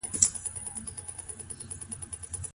د خاوند رضايت په دې مسئله کي څومره شرط دی؟